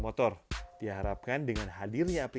lagipula request rata rata yang kurang cukup lebih three talk back gusto